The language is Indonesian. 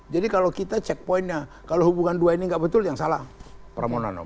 jadi kalau kita cek poinnya kalau hubungan dua ini tidak betul yang salah pramono anum